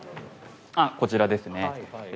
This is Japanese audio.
あっこちらですね